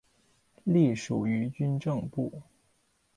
隶属于军政部。